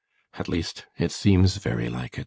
At least, it seems very like it.